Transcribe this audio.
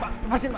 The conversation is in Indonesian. pak lepasin pak